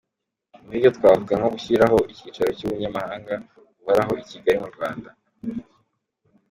Muri yo twavuga nko gushyiraho icyicaro cy’ubunyamabanga buhoraho i Kigali mu Rwanda.